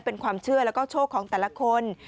เป็นความเชื่อแล้วก็โชคของแต่ละคน